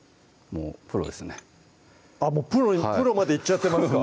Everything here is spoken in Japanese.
もうプロまでいっちゃってますか？